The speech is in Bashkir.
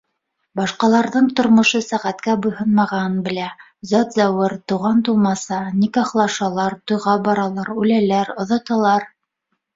Башҡаларҙың тормошо сәғәткә буйһонмағанын белә: зат- зәүер, туған-тыумаса, никахлашалар, туйға баралар, үләләр, оҙаталар...